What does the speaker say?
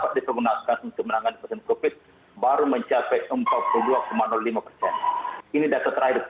hari ini kita sudah pernah berbicara di bagian internet